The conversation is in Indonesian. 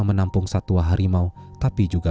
menampung satwa harimau tapi juga